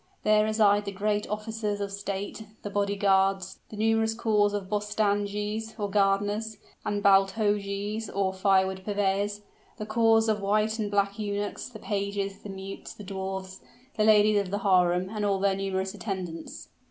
There reside the great officers of state, the body guards, the numerous corps of bostandjis, or gardeners, and baltojis, or fire wood purveyors the corps of white and black eunuchs, the pages, the mutes, the dwarfs the ladies of the harem, and all their numerous attendants.